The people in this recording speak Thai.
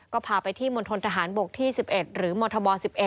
ก็พาไปที่มณฑนทหารบกที่๑๑หรือมธบ๑๑